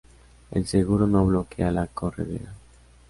El seguro no bloquea la corredera.